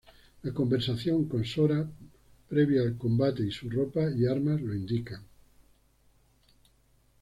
La conversación con Sora previa al combat y su ropa y armas lo indican.